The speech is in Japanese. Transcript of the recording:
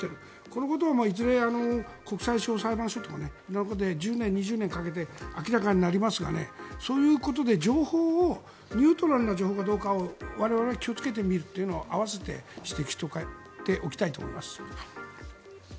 これはいずれ国際司法裁判所のほうで１０年２０年かけて明らかになりますがそういうことで情報をニュートラルな情報かどうかを我々は気をつけて見るというのを併せて指摘しておきたいと思います。